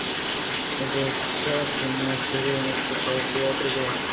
اِداہرکس چہ ما شیزاری اِنت ءُتو موچی ءِ آرڈر ءِ گپ ءَجنئے